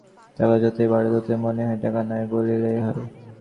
টাকা যতই বাড়ে ততই মনে হয়, টাকা নাই বলিলেই হয়।